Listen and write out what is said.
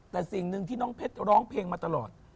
แต่สิ่งหนึ่งที่น้องเพชรร้องเพลงมาตลอด